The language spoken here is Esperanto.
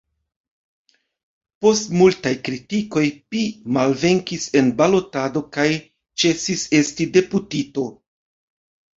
Post multaj kritikoj pi malvenkis en balotado kaj ĉesis esti deputito.